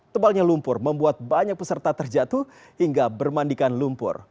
tebalnya lumpur membuat banyak peserta terjatuh hingga bermandikan lumpur